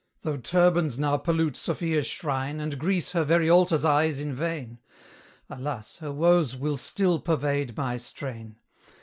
Though turbans now pollute Sophia's shrine And Greece her very altars eyes in vain: (Alas! her woes will still pervade my strain!)